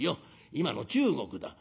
今の中国だ。